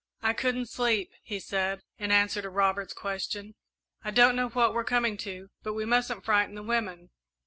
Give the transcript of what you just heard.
"I couldn't sleep," he said, in answer to Robert's question. "I don't know what we're coming to, but we mustn't frighten the women."